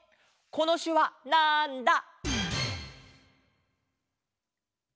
このしゅわなんだ？